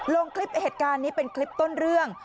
ลงคลิปเหตุการณ์นี้เป็นคลิปต้นเรื่อง